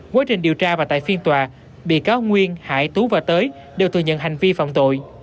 quá trình điều tra và tại phiên tòa bị cáo nguyên hải tú và tới đều thừa nhận hành vi phạm tội